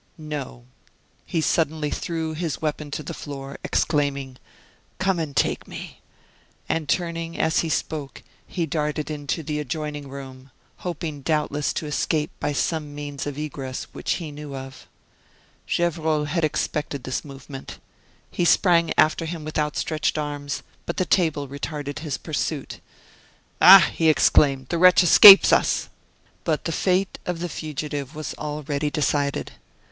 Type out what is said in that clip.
No, he suddenly threw his weapon to the floor, exclaiming: "Come and take me!" And turning as he spoke he darted into the adjoining room, hoping doubtless to escape by some means of egress which he knew of. Gevrol had expected this movement. He sprang after him with outstretched arms, but the table retarded his pursuit. "Ah!" he exclaimed, "the wretch escapes us!" But the fate of the fugitive was already decided.